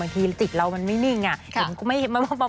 บางทีติดเรามันไม่นิ่งอะ